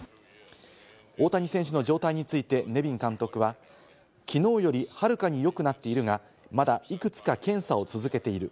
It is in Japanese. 大谷選手の状態についてネビン監督は、きのうより遥かによくなっているが、まだいくつか検査を続けている。